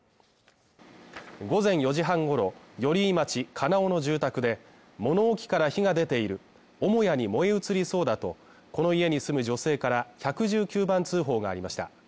午前４時半ごろ寄居町金尾の住宅で、物置から火が出ている母屋に燃え移りそうだとこの家に住む女性から１１９番通報がありました。